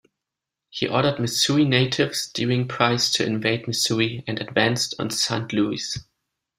He ordered Missouri-native Sterling Price to invade Missouri and advance on Saint Louis.